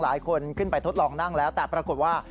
หลายคนขึ้นไปทดลองนั่งแล้วแต่ปรากฏว่า